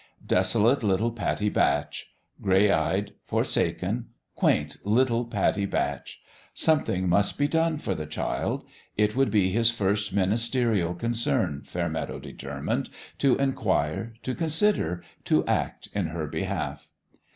Desolate little Pattie Batch ! Gray eyed, for saken, quaint little Pattie Batch ! Something must be done for the child. It would be his first ministerial concern, Fairmeadow determined, to inquire, to consider, to act in her behalf.